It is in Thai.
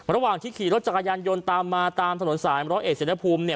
ระหว่างที่ขี่รถจักรยานยนต์ตามมาตามถนนสาย๑๐๑เสร็จและภูมิ